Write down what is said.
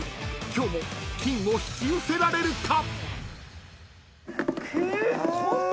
今日も金を引き寄せられるか！？］